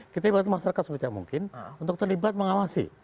kita ibarat masyarakat sebezak mungkin untuk terlibat mengawasi